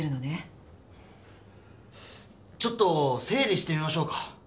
ちょっと整理してみましょうか。